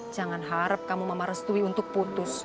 jangan harap kamu mama restui untuk putus